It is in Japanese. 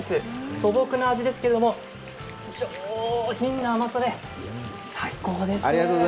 素朴な味ですけれども、上品な甘さで最高ですね。